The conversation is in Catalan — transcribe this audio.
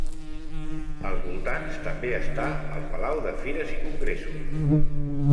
Als voltants també està el Palau de Fires i Congressos.